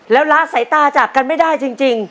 แล้วละสายตาจากกันไม่ได้จริง